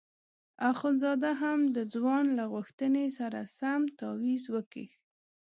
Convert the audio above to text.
اخندزاده هم د ځوان له غوښتنې سره سم تاویز وکیښ.